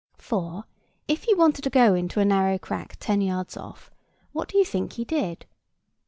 For, if he wanted to go into a narrow crack ten yards off, what do you think he did?